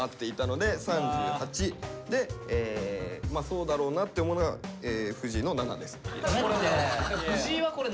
でまあそうだろうなって思うのは藤井の７です。